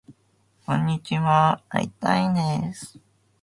こんにちはーー会いたいです